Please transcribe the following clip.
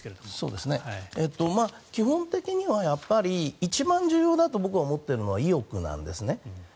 基本的には一番重要だと僕が思っているのは意欲なんです。